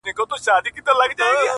• په لیدلو یو د بل نه مړېدلو ,